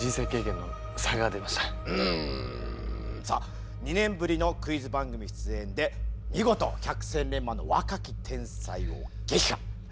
さあ２年ぶりのクイズ番組出演で見事百戦錬磨の若き天才を撃破。